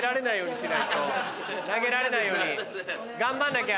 投げられないように頑張んなきゃ。